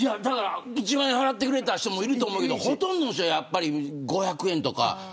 １万円払った人もいると思うけどほとんどの人は５００円とか。